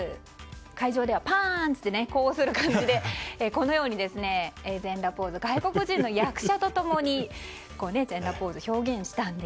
会場ではパーン！と呼応する感じでこのように全裸ポーズを外国人の役者と共に表現したんです。